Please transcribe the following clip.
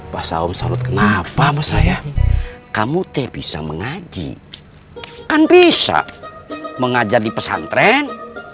bahasa om salut kenapa saya kamu teh bisa mengaji kan bisa mengajar di pesantren